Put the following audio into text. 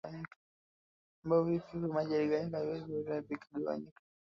Ambapo vivyo hivyo maji yalivyogawanyika pia viumbe vya majini vimegawanyika